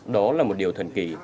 đó là một điều thần kỳ